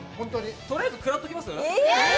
とりあえずくらっときます？